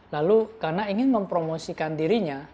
lalu karena ingin mempromosikan dirinya